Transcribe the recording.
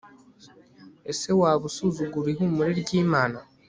ese waba usuzugura ihumure ry'imana